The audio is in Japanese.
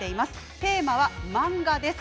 テーマは漫画です。